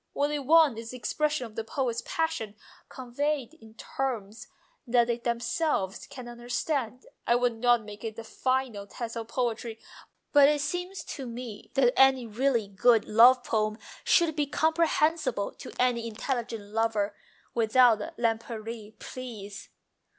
What they want is the expression of the poet's passion conveyed in terms that they themselves can understand. I would not make it the final test of poetry, but it seems to me that any really good love poem should be comprehensible to any intelligent lover ... without Lempriere, please